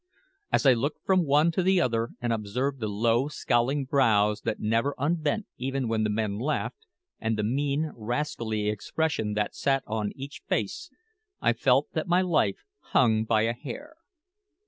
As I looked from one to the other, and observed the low, scowling brows that never unbent even when the men laughed, and the mean, rascally expression that sat on each face, I felt that my life hung by a hair.